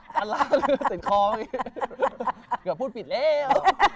จันรักแต่คอมีเกือบพูดปิดเล่ว